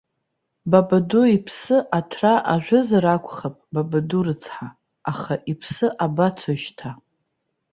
Бабаду иԥсы аҭра ажәызар акәхап, бабаду рыцҳа, аха иԥсы абацои шьҭа.